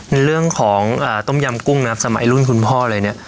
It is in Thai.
ในเรื่องของต้มยำกุ้งนะครับสมัยรุ่นคุณพ่อเลยเนี่ย